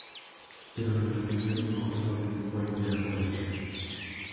Pero la rebelión no gozó del apoyo de la población.